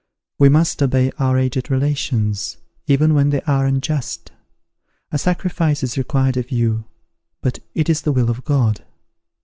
We must obey our aged relations, even when they are unjust. A sacrifice is required of you; but it is the will of God.